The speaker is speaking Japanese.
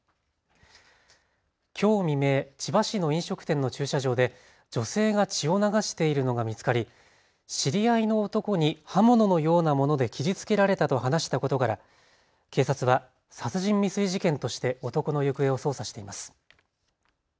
きょう未明、千葉市の飲食店の駐車場で女性が血を流しているのが見つかり、知り合いの男に刃物のようなもので切りつけられたと話したことから警察は殺人未遂事件として男の行方を捜査しています。